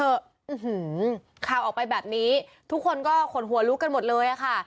อื้อหือข่าวออกไปแบบนี้ทุกคนก็ขนหัวลุกันหมดเลยค่ะ